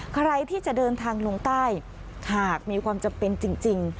ใครที่จะเดินทางลงใต้หากมีความจำเป็นจริง